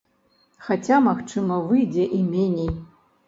Хаця, магчыма, выйдзе і меней.